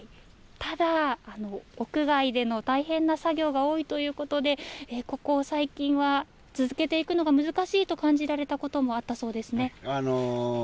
ただ、屋外での大変な作業が多いということで、ここ最近は、続けていくのが難しいと感じられたこともあったそうですね。